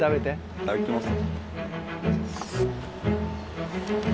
いただきます。